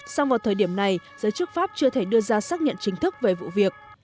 xong vào thời điểm này giới chức pháp chưa thể đưa ra xác nhận chính thức về vụ việc